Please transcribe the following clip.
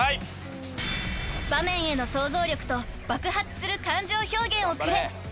［場面への想像力と爆発する感情表現をくれ！］